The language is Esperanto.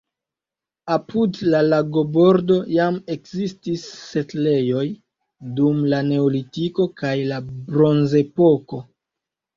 Apud la lagobordo jam ekzistis setlejoj dum la neolitiko kaj la bronzepoko.